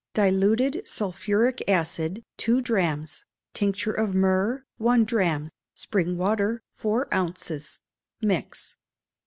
Diluted sulphuric acid, two drachms; tincture of myrrh, one drachm; spring water, four ounces: mix.